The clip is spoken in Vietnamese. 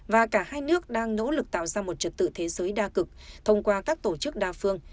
và cả hai nước đang nỗ lực tạo ra một trật tự thế giới đa cực thông qua các tổ chức đa phương